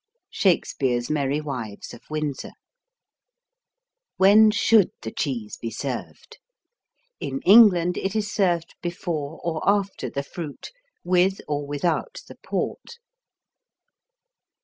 Shakespeare's Merry Wives of Windsor When should the cheese be served? In England it is served before or after the fruit, with or without the port.